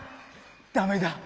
ダメだ。